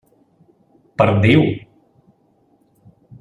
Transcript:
Per Déu!